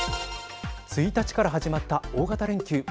１日から始まった大型連休。